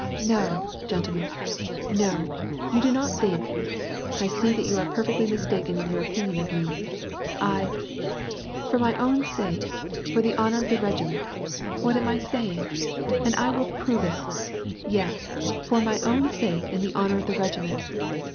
"No, gentlemen; no, you do not think. — I see that you are perfectly mistaken in your opinion of me ; I, — for my own sake, for the honor of the regiment — what am I saying ? And I will prove it; yes, for my own sake and the honor of the regiment.